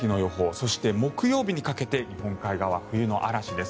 そして木曜日にかけて日本海側、冬の嵐です。